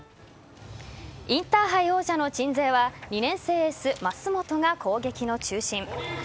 インターハイ王者の鎮西は２年生エース・舛本が攻撃の中心。